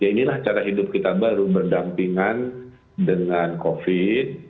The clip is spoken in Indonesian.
ya inilah cara hidup kita baru berdampingan dengan covid